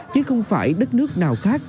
chứ không phải đất nước nào khác